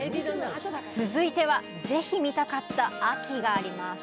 続いては、ぜひ見たかった秋があります。